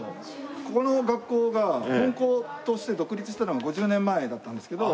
ここの学校が本校として独立したのが５０年前だったんですけど。